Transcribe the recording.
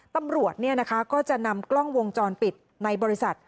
ตำรวจก็จะนำกล้องวงจรปิดในบริษัท